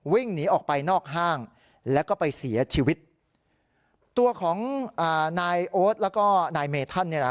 วิ่งหนีออกไปนอกห้างแล้วก็ไปเสียชีวิตตัวของอ่านายโอ๊ตแล้วก็นายเมธันเนี่ยนะ